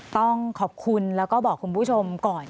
ต้องขอบคุณแล้วก็บอกคุณผู้ชมก่อน